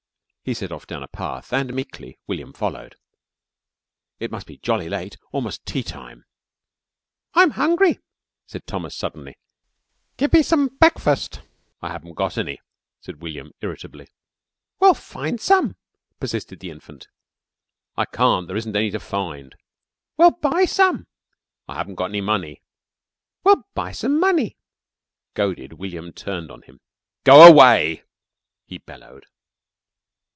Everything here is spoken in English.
He set off down a path, and meekly William followed. It must be jolly late almost tea time. "I'm hungry," said Thomas suddenly. "Give me some brekfust." "I haven't got any," said William irritably. "Well, find some," persisted the infant. "I can't. There isn't any to find." "Well, buy some!" "I haven't any money." "Well, buy some money." Goaded, William turned on him. "Go away!" he bellowed.